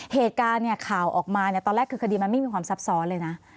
เหตุการณ์เนี่ยข่าวออกมาเนี่ยตอนแรกคือคดีมันไม่มีความซับซ้อนเลยนะ